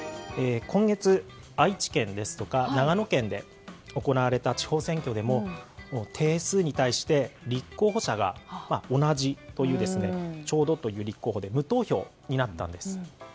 今月、愛知県ですとか長野県で行われた地方選挙でも定数に対して立候補者が同じというちょうどという立候補で無投票になったんです。